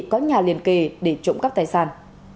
có nhà liền kề để trụng cấp tài sản